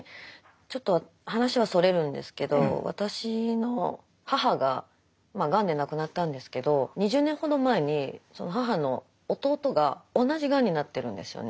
ちょっと話はそれるんですけど私の母ががんで亡くなったんですけど２０年ほど前に母の弟が同じがんになってるんですよね。